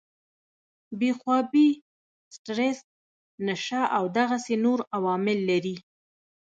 بې خوابي ، سټريس ، نشه او دغسې نور عوامل لري